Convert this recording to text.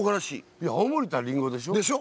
いや青森ったらりんごでしょ？でしょ？